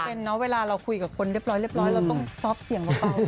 เป็นเนาะเวลาเราคุยกับคนเรียบร้อยเราต้องซอฟต์เสียงออกไป